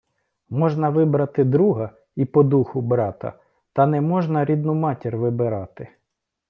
Можна вибрати друга і по духу брата, та не можна рідну матір вибирати